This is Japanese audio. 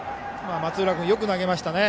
松浦君、よく投げましたね。